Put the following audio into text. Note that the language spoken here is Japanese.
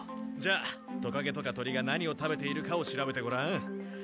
じゃあトカゲとか鳥が何を食べているかを調べてごらん。